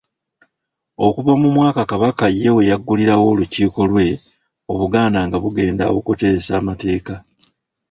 Okuva mu mwaka Kabaka ye yeggulirawo olukiiko lwe Obuganda nga bugenda okuteesa amateeka.